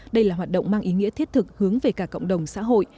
đây là hoạt động mang ý nghĩa thiết thực hướng về cả cộng đồng xã hội